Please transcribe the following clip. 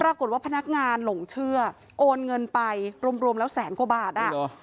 ปรากฏว่าพนักงานหลงเชื่อโอนเงินไปรวมรวมแล้วแสนกว่าบาทอ่ะอุ้ยเหรอ